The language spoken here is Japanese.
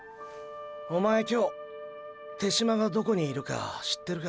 おまえ今日手嶋がどこにいるか知ってるか？